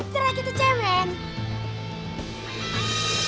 suara kita keren bercerai kita cemen